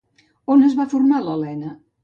On es va formar l'Elena?